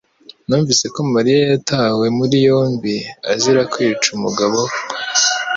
Numvise ko Mariya yatawe muri yombi azira kwica umugabo we